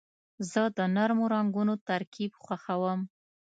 زه د نرمو رنګونو ترکیب خوښوم.